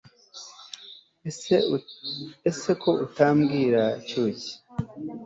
ese ko utambwira cyuki